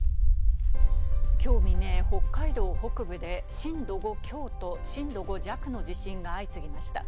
今日未明、北海道北部で震度５強と震度５弱の地震が相次ぎました。